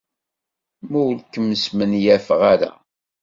Ma ur kem-smenyafeɣ ara.